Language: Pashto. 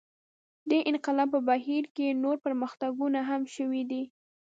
دې انقلاب په بهیر کې نور پرمختګونه هم شوي دي.